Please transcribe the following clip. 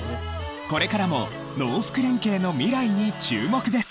これからも農福連携の未来に注目です